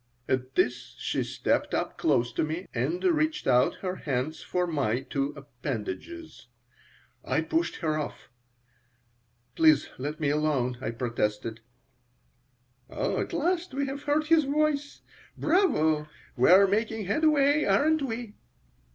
At this she stepped up close to me and reached out her hands for my two appendages I pushed her off. "Please, let me alone," I protested "At last we have heard his voice. Bravo! We're making headway, aren't we?"